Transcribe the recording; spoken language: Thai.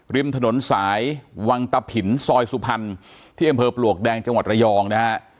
ริมถนนสายวังตะผินซอยสุพรรณที่อำเภอปลวกแดงจังหวัดระยองนะฮะ